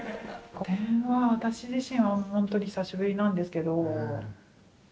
個展は私自身はほんとに久しぶりなんですけど。